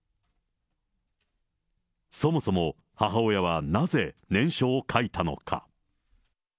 そもそも母親は、なぜ念書を書いたのか。